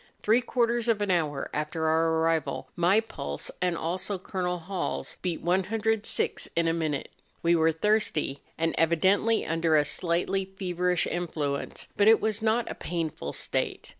Three quarters of an hour after our arrival my pulse, and also Col. Hall's, beat 106 in a minute; we were thirsty, and evidently under a slightly feverish influence ; but it was not a painful state.